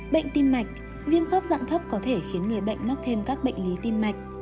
bệnh tim mạch viêm khớp dạng thấp có thể khiến người bệnh mắc thêm các bệnh lý tim mạch